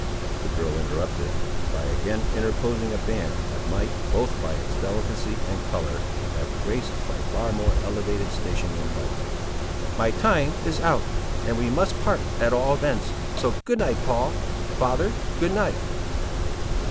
the girl interrupted, by again interposing a band that might, both by its delicacy and colour, have graced a far more elevated station in life; "my time is out; and we must part, at all events—so good night, Paul—father—good night."